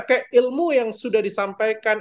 kayak ilmu yang sudah disampaikan